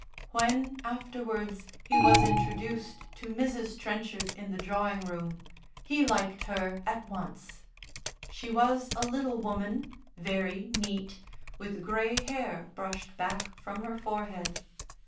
When, afterwards, he was introduced to Mrs. Trenchard in the drawing room, he liked her at once. She was a little woman, very neat, with grey hair brushed back from her forehead.